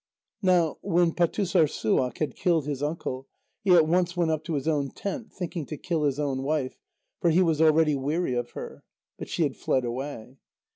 Now when Pâtussorssuaq had killed his uncle, he at once went up to his own tent, thinking to kill his own wife, for he was already weary of her. But she had fled away.